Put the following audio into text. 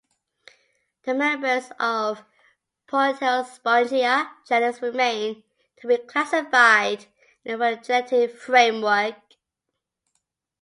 The members of "Proterospongia" genus remain to be classified in a phylogenetic framework.